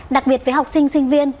đặc biệt với học sinh sinh viên